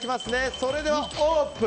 それでは、オープン！